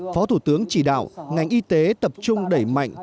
phó thủ tướng chỉ đạo ngành y tế tập trung đẩy mạnh